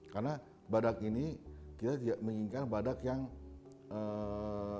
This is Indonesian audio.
karena badak ini kita menginginkan badak yang dari satu keturunan